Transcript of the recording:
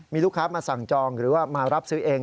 มีลูกค้ามาสั่งจองหรือว่ามารับซื้อเอง